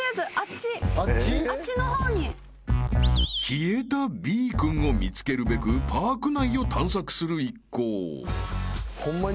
［消えたＢ君を見つけるべくパーク内を探索する一行］